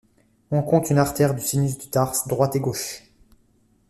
On compte une artère du sinus du tarse droite et gauche.